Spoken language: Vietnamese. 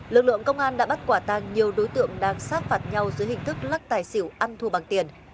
lực lượng công an đã bắt quả tàng nhiều đối tượng đang sát phạt nhau dưới hình thức lắc tài xỉu ăn thua bằng tiền